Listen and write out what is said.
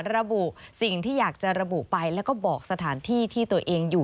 ระบุสิ่งที่อยากจะระบุไปแล้วก็บอกสถานที่ที่ตัวเองอยู่